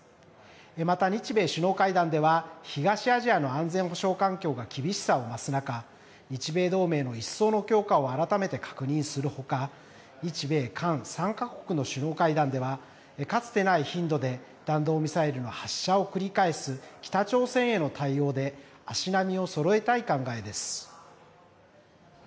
また日米首脳会談では東アジアの安全保障環境が厳しさを増す中、日米同盟の一層の強化を改めて確認するほか日米韓３か国の首脳会談ではかつてない頻度で弾道ミサイルの発射を繰り返す北朝鮮への対応で足並みをそろえたい考えです。